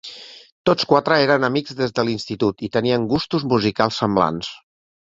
Tots quatre eren amics des de l'institut i tenien gustos musicals semblants.